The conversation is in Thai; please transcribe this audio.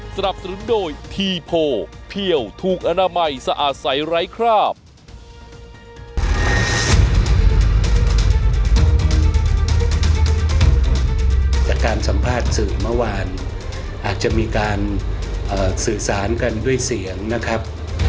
จากการสัมภาษณ์สื่อเมื่อวานอาจจะมีการสื่อสารกันด้วยเสียงนะครับ